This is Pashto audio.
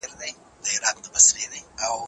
ابن خلدون د اسلامي نړۍ په تاریخ کي ډیر مهم دی.